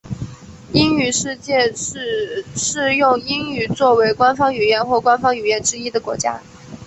英语世界指使用英语作为官方语言或官方语言之一的国家。